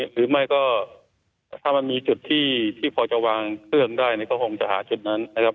หรือไม่ก็ถ้ามันมีจุดที่พอจะวางเครื่องได้ก็คงจะหาจุดนั้นนะครับ